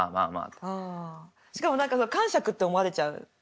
しかも何かかんしゃくって思われちゃうのね。